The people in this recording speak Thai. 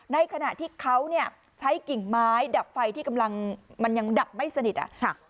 ในขณะที่เขาเนี่ยใช้กิ่งไม้ดับไฟที่กำลังมันยังดับไม่สนิท